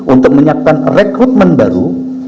untuk menyiapkan rekrutmen baru